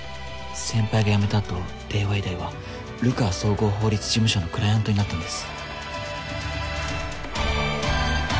先輩が辞めたあと帝和医大は流川綜合法律事務所のクライアントになったんです。